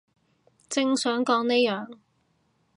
正想講呢樣